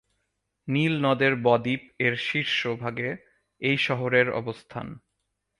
নীল নদের ব-দ্বীপ এর শীর্ষ ভাগে এই শহরের অবস্থান।